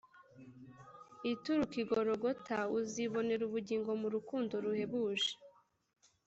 ituruk' i Gologota. Uzaboner' ubugingo mu rukundo ruhebuje.